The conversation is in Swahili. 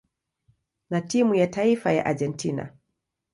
na timu ya taifa ya Argentina.